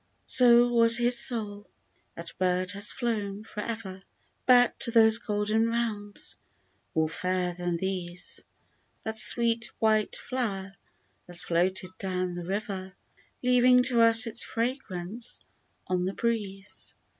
So was his soul ! That bird has flown for ever Back to those golden realms, more fair than these ; That sweet white flow'r has floated down the river, Leaving to us its fragrance on the breeze.